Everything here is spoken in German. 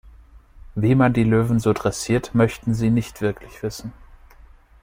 Wie man die Löwen so dressiert, möchten Sie nicht wirklich wissen.